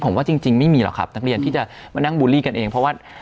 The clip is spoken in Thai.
ผมว่าจริงไม่มีหรอกครับนักเรียนที่จะมานั่งบูลลี่กันเองเพราะว่า